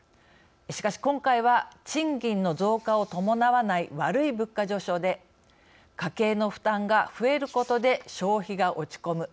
しかし今回は賃金の増加を伴わない悪い物価上昇で家計の負担が増えることで消費が落ち込む。